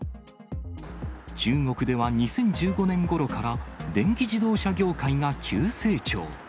中国では２０１５年ごろから電気自動車業界が急成長。